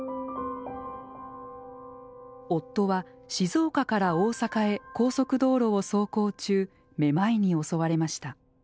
夫は静岡から大阪へ高速道路を走行中めまいに襲われました。